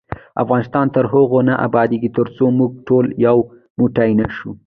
افغانستان تر هغو نه ابادیږي، ترڅو موږ ټول یو موټی نشو.